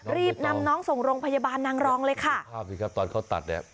รีบนำน้องส่งโรงพยาบาลนางรองเลยค่ะภาพสิครับตอนเขาตัดเนี่ย